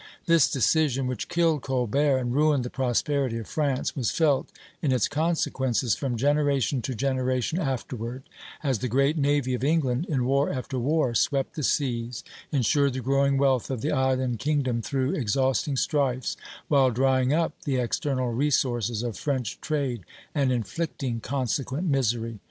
This decision, which killed Colbert and ruined the prosperity of France, was felt in its consequences from generation to generation afterward, as the great navy of England, in war after war, swept the seas, insured the growing wealth of the island kingdom through exhausting strifes, while drying up the external resources of French trade and inflicting consequent misery.